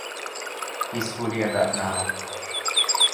He's fully alert now.